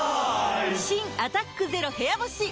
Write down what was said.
新「アタックＺＥＲＯ部屋干し」解禁‼